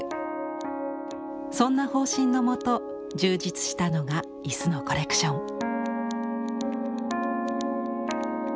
そんな方針のもと充実したのが椅子のコレクション。